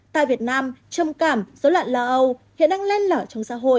tại việt nam trầm cảm dấu loạn là âu hiện đang len lở trong xã hội